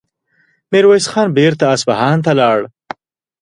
ميرويس خان بېرته اصفهان ته لاړ.